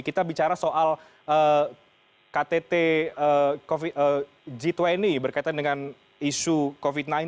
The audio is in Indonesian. kita bicara soal ktt g dua puluh berkaitan dengan isu covid sembilan belas